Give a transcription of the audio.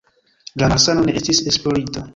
La malsano ne estis esplorita.